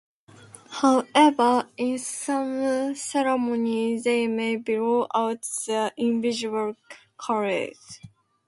However, in some ceremonies they may blow out their individual candles.